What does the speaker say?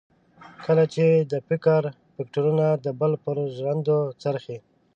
کله چې یې د فکر فکټورنه د بل پر ژرندو څرخي.